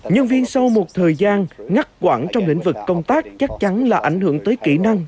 nhân viên sau một thời gian ngắt quãng trong lĩnh vực công tác chắc chắn là ảnh hưởng tới kỹ năng